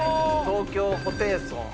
東京ホテイソン。